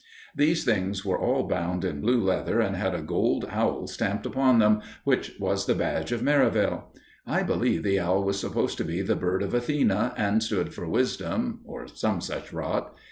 These things were all bound in blue leather and had a gold owl stamped upon them, which was the badge of Merivale. I believe the owl was supposed to be the bird of Athena, and stood for wisdom, or some such rot.